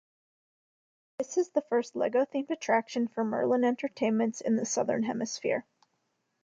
This is the first Lego themed attraction for Merlin Entertainments in the Southern Hemisphere.